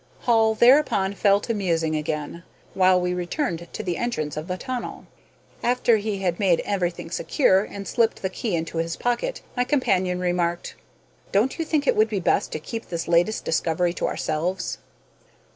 Hall thereupon fell to musing again, while we returned to the entrance of the tunnel. After he had made everything secure, and slipped the key into his pocket, my companion remarked: "Don't you think it would be best to keep this latest discovery to ourselves?"